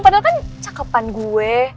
padahal kan cakepan gue